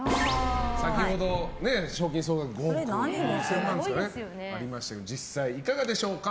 先ほど、賞金総額５億６０００万ってありましたけど実際はいかがでしょうか。